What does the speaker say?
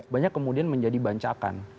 banyak kemudian menjadi bancakan